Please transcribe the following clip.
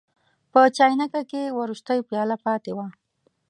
په چاینکه کې وروستۍ پیاله پاتې وه.